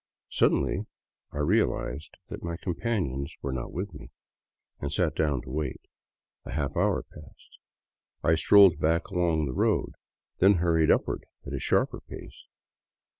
Suddenly I realized that my companions were not with me, and sat down to wait. A half hour passed. I strolled back along the road, then hurried upward at sharper pace.